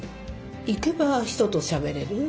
行けば人としゃべれる。